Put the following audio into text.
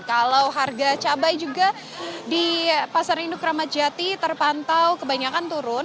kalau harga cabai juga di pasar induk ramadjati terpantau kebanyakan turun